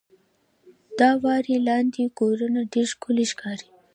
• د واورې لاندې کورونه ډېر ښکلي ښکاري.